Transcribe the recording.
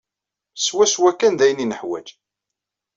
Swaswa kan d ayen i nuḥwaǧ.